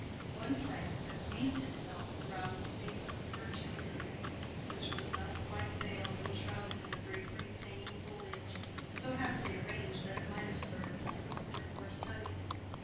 One plant had wreathed itself round a statue of Vertumnus, which was thus quite veiled and shrouded in a drapery of hanging foliage, so happily arranged that it might have served a sculptor for a study.